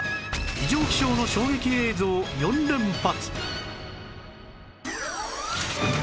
異常気象の衝撃映像４連発！